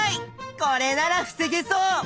これなら防げそう！